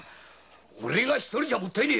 オレ一人じゃもったいねえ